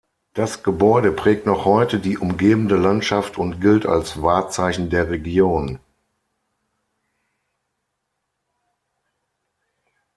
Das Gebäude prägt noch heute die umgebende Landschaft und gilt als Wahrzeichen der Region.